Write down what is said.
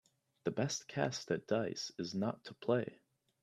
The best cast at dice is not to play.